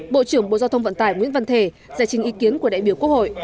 bộ trưởng bộ giao thông vận tải nguyễn văn thể giải trình ý kiến của đại biểu quốc hội